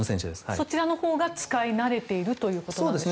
そちらのほうが使い慣れているということでしょうか。